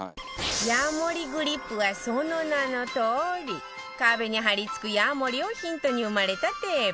ヤモリグリップはその名のとおり壁に張り付くヤモリをヒントに生まれたテープ